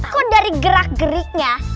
kok dari gerak geriknya